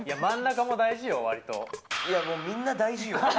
いや、いやもう、みんな大事よ。